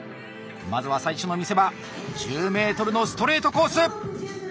まずは最初の見せ場１０ｍのストレートコース。